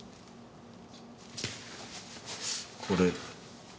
これ。